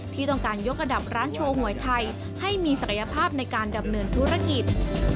ที่ต้องการยกระดับร้านโชว์หวยไทยให้มีศักยภาพในการดำเนินธุรกิจ